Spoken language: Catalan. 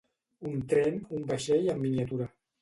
Un tren, un vaixell en miniatura.